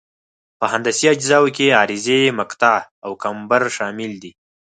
په هندسي اجزاوو کې عرضي مقطع او کمبر شامل دي